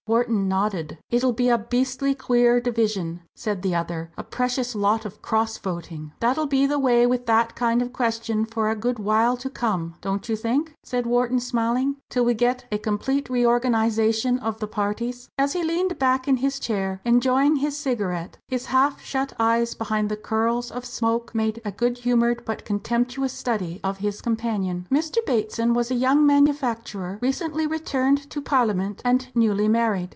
Wharton nodded. "It'll be a beastly queer division," said the other "a precious lot of cross voting." "That'll be the way with that kind of question for a good while to come don't you think" said Wharton, smiling, "till we get a complete reorganisation of parties?" As he leaned back in his chair, enjoying his cigarette, his half shut eyes behind the curls of smoke made a good humoured but contemptuous study of his companion. Mr. Bateson was a young manufacturer, recently returned to Parliament, and newly married.